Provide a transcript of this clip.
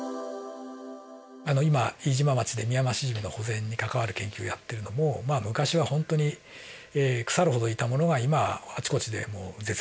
今飯島町でミヤマシジミの保全に関わる研究をやってるのも昔はほんとに腐るほどいたものが今はあちこちで絶滅しているという。